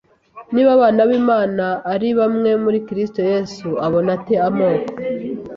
Niba abana b’Imana ari bamwe muri Kristo, Yesu abona ate amoko